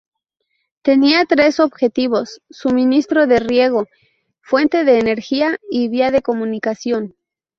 Tenía tres objetivos: suministro de riego, fuente de energía y vía de comunicación.